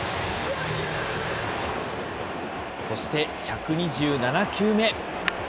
そして、１２７球目。